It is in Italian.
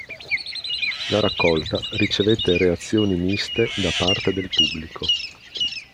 La raccolta ricevette reazioni miste da parte del pubblico.